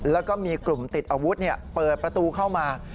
แล้วก็มีกลุ่มติดอาวุธเปิดประตูเข้ามา